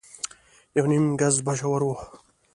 يونيم ګز به ژور و.